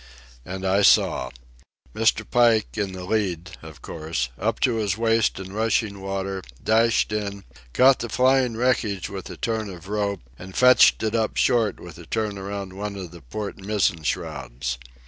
And I saw. Mr. Pike, in the lead, of course, up to his waist in rushing water, dashed in, caught the flying wreckage with a turn of rope, and fetched it up short with a turn around one of the port mizzen shrouds.